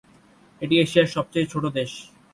এটি এশিয়ার সবচেয়ে ছোট দেশ।